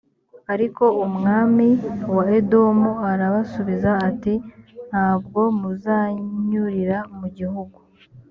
ariko umwami wa edomu arabasubiza ati «nta bwo muzanyurira mu gihugu.